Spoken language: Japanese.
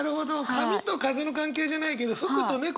髪と風の関係じゃないけど服と猫ね。